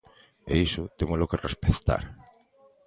E iso témolo que respectar.